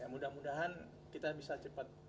mudah mudahan kita bisa cepat